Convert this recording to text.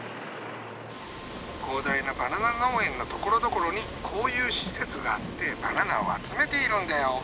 広大なバナナ農園のところどころにこういう施設があってバナナを集めているんだよ。